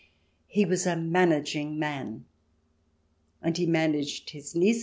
He was a managing man, and he managed his niece's 198 CH.